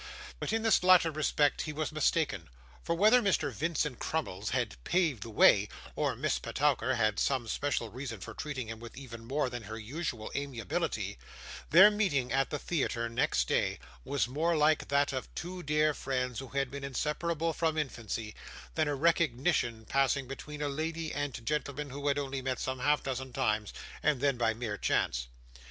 But, in this latter respect he was mistaken; for whether Mr. Vincent Crummles had paved the way, or Miss Petowker had some special reason for treating him with even more than her usual amiability their meeting at the theatre next day was more like that of two dear friends who had been inseparable from infancy, than a recognition passing between a lady and gentleman who had only met some half dozen times, and then by mere chance.